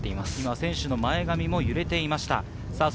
選手の前髪も揺れていました。